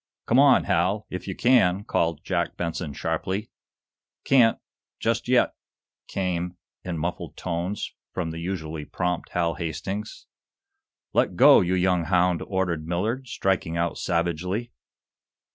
"Come on, Hal if you can!" called Jack Benson, sharply. "Can't just yet," came, in muffled tones, from the usually prompt Hal Hastings. "Let go, you young hound!" ordered Millard, striking out savagely.